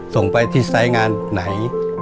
ส่งไปที่สายงานไหน